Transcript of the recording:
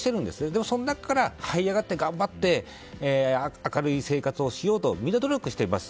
でも、その中からはい上がって頑張って明るい生活をしようとみんな努力しています。